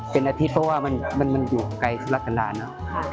เป็นอาทิตย์เพราะว่ามันอยู่ไกลละกันดานนะ